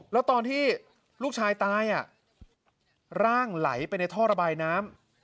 แล้วตอนที่ลูกชายตายร่างไหลไปในท่อระบายน้ำ